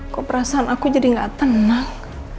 kok perasaan aku jadi gak tenang